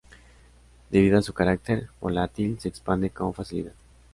Debido a su carácter volátil se expande con facilidad.